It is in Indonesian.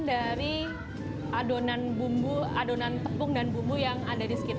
dari adonan tepung dan bumbu yang ada di sekitar